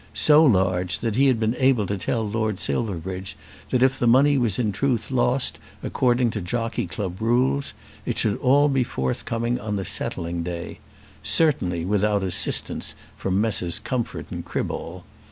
so large that he had been able to tell Lord Silverbridge that if the money was in truth lost according to Jockey Club rules, it should all be forthcoming on the settling day, certainly without assistance from Messrs. Comfort and Criball.